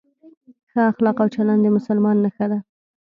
ښه اخلاق او چلند د مسلمان نښه ده.